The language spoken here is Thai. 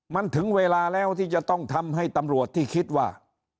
มันถึงเวลาแล้วที่จะต้องทำให้ตำรวจที่คิดว่า